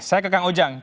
saya ke kak ujang